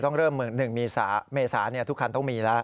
ต้องเริ่ม๑เมษาเมษาทุกคันต้องมีแล้ว